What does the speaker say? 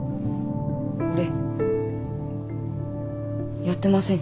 俺やってません。